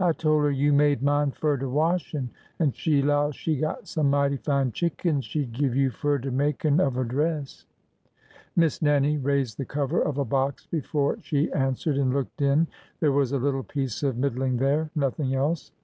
I tole her you made mine fur de washin', an' she 'low she got some mighty fine chickens she 'd give you fur de makin' of a dress." Miss Nannie raised the cover of a box before she an swered, and looked in. There was a little piece of mid dling there— nothing else.